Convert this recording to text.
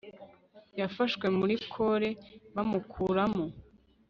yafashwe muri kole bamukuramo